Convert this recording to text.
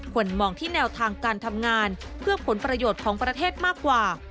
ควรมองที่แนวทางการทำงานเพื่อผลประโยชน์ของประเทศมากกว่า